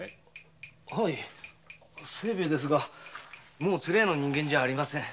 はい清兵衛ですがもう鶴屋の人間じゃありません。